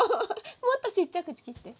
もっとちっちゃく切って。